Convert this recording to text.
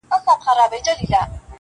هغه د خلکو له سترګو ځان پټ ساتي تل,